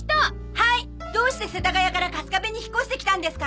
はいどうして世田谷から春我部に引っ越して来たんですか？